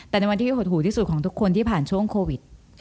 แต่ในวันที่หดหูที่สุดของทุกคนที่ผ่านช่วงโควิด